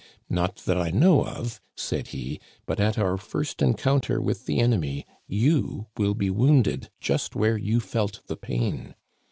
* Not that I know of,' said he, 'but at our first encoun ter with the enemy you will be wounded just where you felt the pain.'